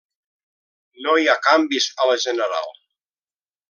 No hi ha canvis a la general.